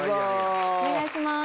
お願いします。